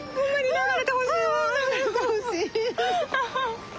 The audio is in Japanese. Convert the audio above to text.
流れてほしい。